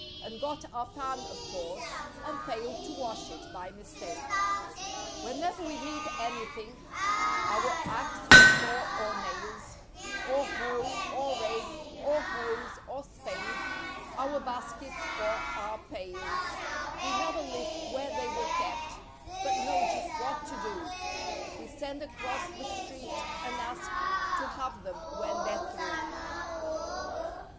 And got our pan, of course, and failed to wash it, by mistake. Whenever we need anything, our ax or saw or nails, Or hoe or rake or hose or spade, our bas¬ kets or our pails We never look where they were kept, but know just what to do— We send across the street and ask to have them when they're through.